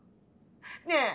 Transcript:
ねえ？